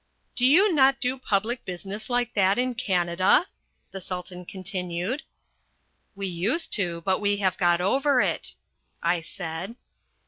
"Do you not do public business like that in Canada?" the Sultan continued. "We used to. But we have got over it," I said.